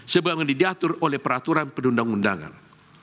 sebagaimana diatur oleh peraturan penduduk undangan